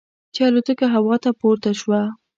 چې الوتکه هوا ته پورته شوه.